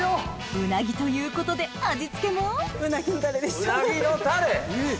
うなぎということで味付けもうなぎのタレ！